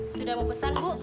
sudah mau pesan ibu